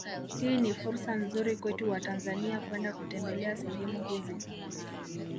Hii ni fursa nzuri kwetu watanzania kwenda kutembelea sehemu hizi